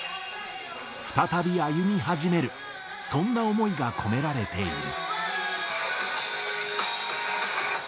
再び歩み始める、そんな思いが込められている。